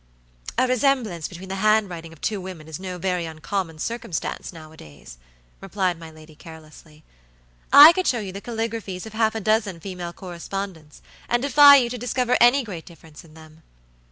"A resemblance between the handwriting of two women is no very uncommon circumstance now a days," replied my lady carelessly. "I could show you the caligraphies of half a dozen female correspondents, and defy you to discover any great difference in them."